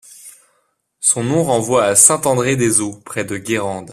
Son nom renvoie à Saint-André-des-Eaux, près de Guérande.